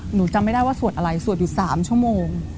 หนูจำไม่ได้ว่าสวดอะไรสวดอยู่๓ชั่วโมง